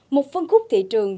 một phân khúc thị trường